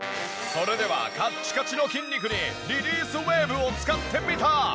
それではカッチカチの筋肉にリリースウェーブを使ってみた！